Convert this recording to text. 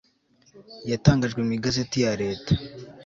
yatangajwe mu igazeti ya leta